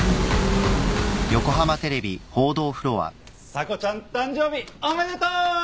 査子ちゃん誕生日おめでとう！